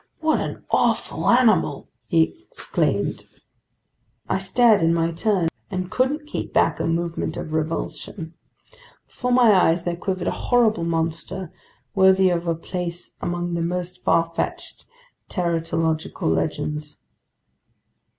"What an awful animal!" he exclaimed. I stared in my turn and couldn't keep back a movement of revulsion. Before my eyes there quivered a horrible monster worthy of a place among the most farfetched teratological legends.